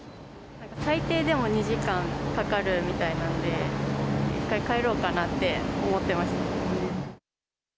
最低でも２時間かかるみたいなんで、１回帰ろうかなって思ってます。